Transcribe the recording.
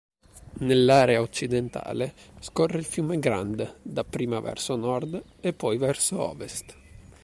Nell'area occidentale scorre il fiume "Grand", dapprima verso nord e poi verso ovest.